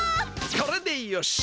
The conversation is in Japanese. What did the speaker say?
これでよし！